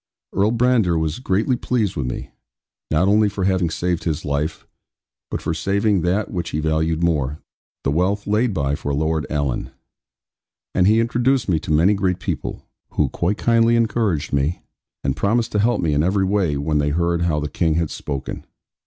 Earl Brandir was greatly pleased with me, not only for having saved his life, but for saving that which he valued more, the wealth laid by for Lord Alan. And he introduced me to many great people, who quite kindly encouraged me, and promised to help me in every way when they heard how the King had spoken.